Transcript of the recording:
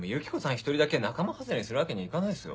一人だけ仲間外れにするわけにはいかないっすよ。